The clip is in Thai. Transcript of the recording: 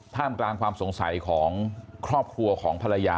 ท่ามกลางความสงสัยของครอบครัวของภรรยา